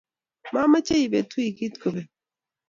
mamechee Ipet wikit kopek